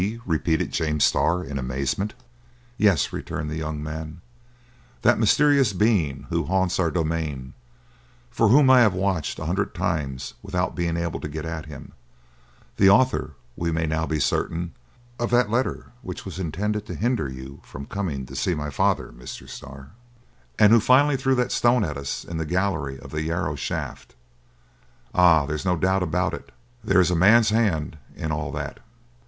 repeated James Starr in amazement. "Yes!" returned the young man, "that mysterious being who haunts our domain, for whom I have watched a hundred times without being able to get at him—the author, we may now be certain, of that letter which was intended to hinder you from coming to see my father, Mr. Starr, and who finally threw that stone at us in the gallery of the Yarrow shaft! Ah! there's no doubt about it; there is a man's hand in all that!"